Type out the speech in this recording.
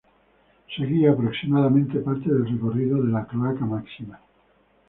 Seguía aproximadamente parte del recorrido de la Cloaca Máxima.